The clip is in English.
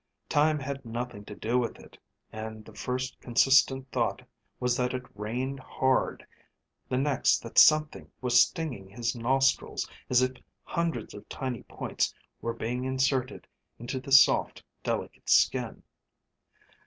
Time had nothing to do with it, and the first consistent thought was that it rained hard; the next that something was stinging his nostrils as if hundreds of tiny points were being inserted into the soft, delicate skin.